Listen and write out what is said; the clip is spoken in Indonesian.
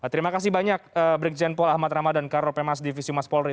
terima kasih banyak brigjen paul ahmad ramadan karo pemas divisi umas polri